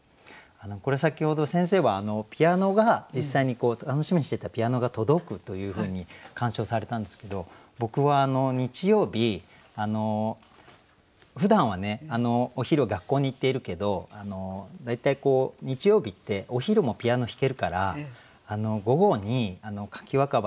これ先ほど先生はピアノが実際に楽しみにしていたピアノが届くというふうに鑑賞されたんですけど僕は日曜日ふだんはねお昼は学校に行っているけど大体日曜日ってお昼もピアノ弾けるから午後に柿若葉